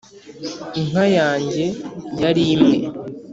inka yange yari imwe